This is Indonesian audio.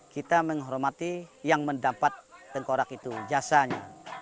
kita menghormati yang mendapat tengkorak itu jasanya